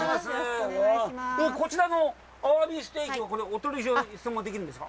こちらのアワビステーキはお取り寄せもできるんですか。